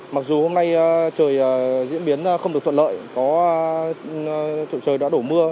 mặc dù hôm nay trời diễn biến không được thuận lợi trời đã đổ mưa